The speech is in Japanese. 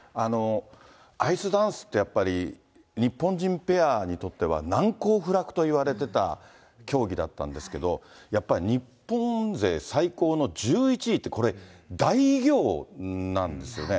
アイスダンスって、やっぱり日本人ペアにとっては難攻不落といわれてた競技だったんですけど、やっぱり日本勢最高の１１位って、これ大偉業なんですよね。